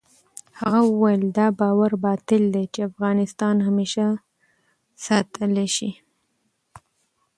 هغه وویل، دا باور باطل دی چې افغانستان همېشه ساتلای شي.